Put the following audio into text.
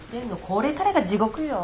これからが地獄よ。